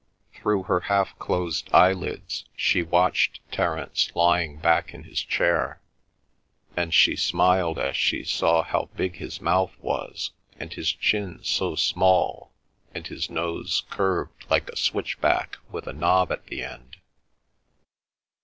Through her half closed eyelids she watched Terence lying back in his chair, and she smiled as she saw how big his mouth was, and his chin so small, and his nose curved like a switchback with a knob at the end.